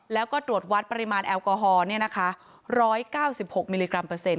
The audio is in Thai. แล้วก็ตรวจวัดปริมาณแอลกอฮอล์๑๙๖มิลลิกรัมเปอร์เซ็น